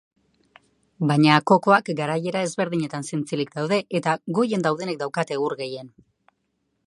Baina kokoak garaiera ezberdinetan zintzilik daude, eta goien daudenek daukate ur gehien.